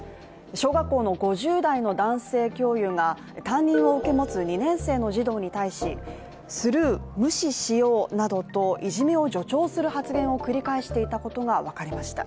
小学校の５０代の男性教諭が担任を受け持つ２年生の児童に対しスルー、無視しようなどといじめを助長する発言を繰り返していたことが分かりました。